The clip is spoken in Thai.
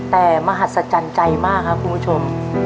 แต่มหัศจรรย์ใจมากครับคุณผู้ชม